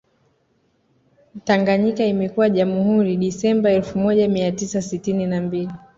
tanganyika imekuwa jamhuri disemba elfu moja mia tisa sitini na mbili